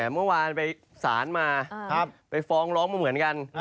เมื่อวานไปฟ้องร้องมาเหมือนกันฟ้องร้องมาเหมือนกัน